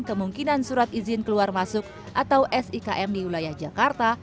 kemungkinan surat izin keluar masuk atau sikm di wilayah jakarta